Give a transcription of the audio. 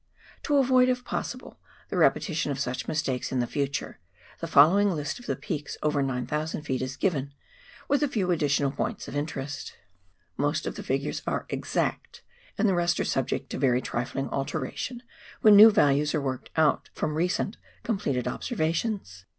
To avoid, if possible, the repetition of such mistakes in the future, the following list of the peaks over 9,000 ft. is given, Avith a few additional points of interest. Most of the figures are exact, and the rest are subject to very trifling alteration when new values are worked out from recent completed observations.